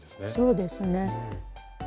そうですね。